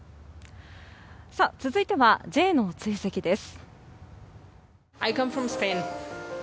続いてはＪの追跡です。